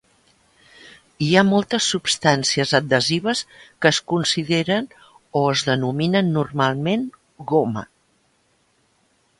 Hi ha moltes substàncies adhesives que es consideren o es denominen normalment "goma".